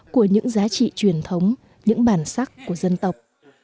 của những giá trị truyền thống những bản sắc của dân tộc